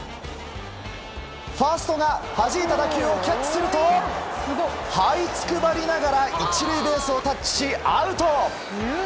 ファーストがはじいた打球をキャッチするとはいつくばりながら１塁ベースをタッチし、アウト！